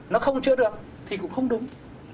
nó không chữa được thì cũng không đúng